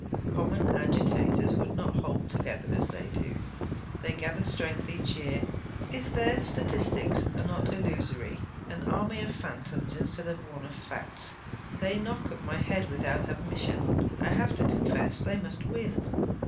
Common agitators would not hold together, as they do. They gather strength each year. If their statistics are not illusory an army of phantoms instead of one of facts; and they knock at my head without admission, I have to confess; they must win.'